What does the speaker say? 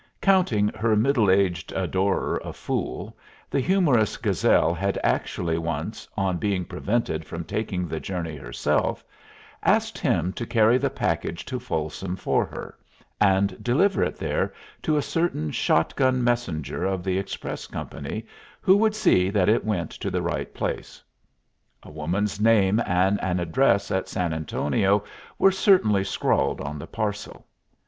Counting her middle aged adorer a fool, the humorous Gazelle had actually once, on being prevented from taking the journey herself, asked him to carry the package to Folsom for her, and deliver it there to a certain shot gun messenger of the express company, who would see that it went to the right place. A woman's name and an address at San Antonio were certainly scrawled on the parcel.